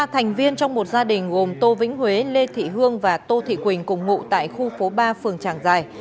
ba thành viên trong một gia đình gồm tô vĩnh huế lê thị hương và tô thị quỳnh cùng ngụ tại khu phố ba phường trảng giải